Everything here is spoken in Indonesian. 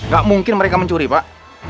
gak mungkin mereka mencuri pak